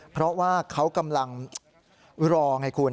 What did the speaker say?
เพราะว่าเขากำลังรอไงคุณ